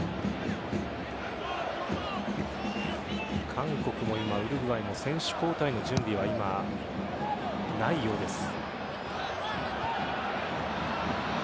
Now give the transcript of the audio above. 韓国も今ウルグアイも選手交代の準備はないようです。